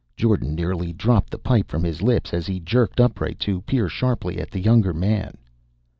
Jordan nearly dropped the pipe from his lips as he jerked upright to peer sharply at the younger man.